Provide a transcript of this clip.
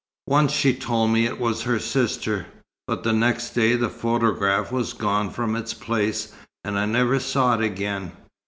Once she told me it was her sister, but the next day the photograph was gone from its place, and I never saw it again.